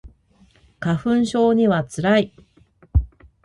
花粉症には辛い